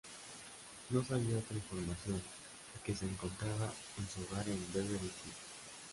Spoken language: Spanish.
No sabía otra información" y que se encontraba en su hogar en Beverly Hills.